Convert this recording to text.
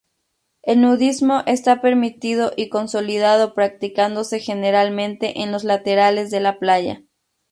El nudismo está permitido y consolidado, practicándose generalmente en los laterales de la playa.